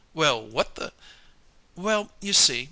"Well, what the " "Well, you see.